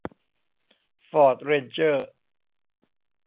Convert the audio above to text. ฟอร์ดเรนเจอร์